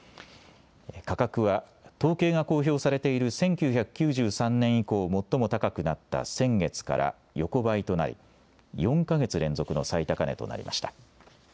価格は、統計が公表されている１９９３年以降、最も高くなった先月から横ばいとなり、４か月連続の最高値となりました。